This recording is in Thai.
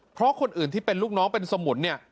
เพราะคนอื่นที่เป็นลูกน้องเป็นสมุนเนี่ย